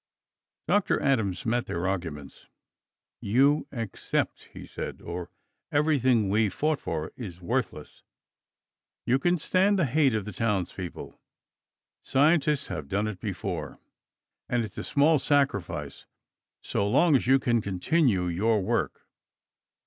Dr. Adams met their arguments. "You accept," he said, "or everything we fought for is worthless. You can stand the hate of the townspeople. Scientists have done it before, and it's a small sacrifice so long as you can continue your work.